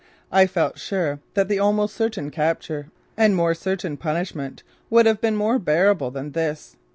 I felt sure that the almost certain capture and more certain punishment would have been more bearable than this.